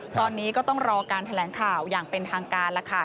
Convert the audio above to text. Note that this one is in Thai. ตอนนี้ก็ต้องรอการแถลงข่าวอย่างเป็นทางการแล้วค่ะ